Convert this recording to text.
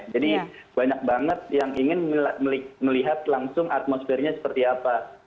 jadi banyak banget yang ingin melihat langsung atmosfernya seperti apa